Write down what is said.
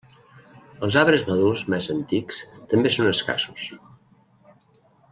Els arbres madurs més antics també són escassos.